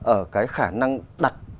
ở cái khả năng đặt